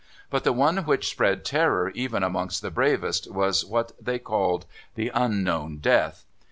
But the one which spread terror even amongst the bravest was what they called "the unknown death."